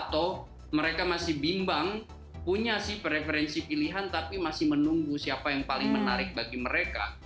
atau mereka masih bimbang punya sih preferensi pilihan tapi masih menunggu siapa yang paling menarik bagi mereka